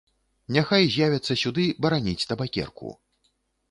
Няхай з'явяцца сюды бараніць табакерку.